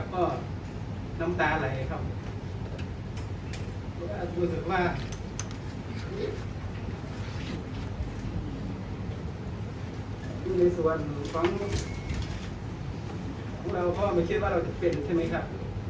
ก็จะรู้สึกว่าในส่วนของเราก็ไม่เชื่อว่าเราจะเป็นใช่ไหมครับ